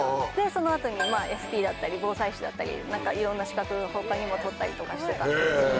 その後に「ＦＰ」だったり防災士だったりいろんな資格を他にも取ったりとかしてたんです。